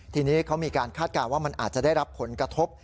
ทีนี้เขามีการคาดการณ์ว่ามันอาจจะได้รับผลกระทบ